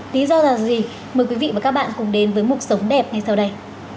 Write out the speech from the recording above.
lý do là gì mời quý vị và các bạn cùng đến với mục sống đẹp ngay sau đây